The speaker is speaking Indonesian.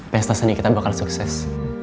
pesta seni kita bakal sukses